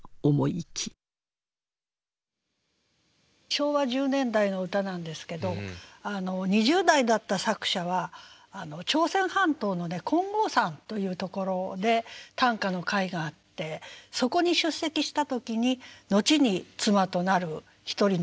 昭和１０年代の歌なんですけど２０代だった作者は朝鮮半島の金剛山というところで短歌の会があってそこに出席した時に後に妻となる一人のかれんな女性と出会うんですね。